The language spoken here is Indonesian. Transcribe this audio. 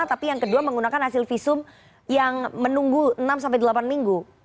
tapi yang kedua menggunakan hasil visum yang menunggu enam sampai delapan minggu